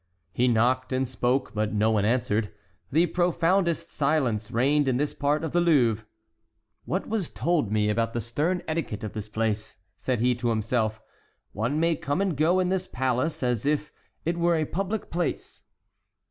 He knocked and spoke, but no one answered. The profoundest silence reigned in this part of the Louvre. "What was told me about the stern etiquette of this place?" said he to himself. "One may come and go in this palace as if it were a public place."